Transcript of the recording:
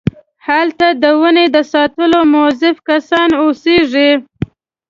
هلته د ونې د ساتلو موظف کسان اوسېږي.